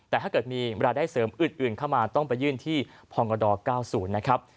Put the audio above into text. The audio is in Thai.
แต่ถ้าเกิดมีรายได้เสริมอื่นเข้ามาต้องไปยื่นที่พงด๙๐นะครับ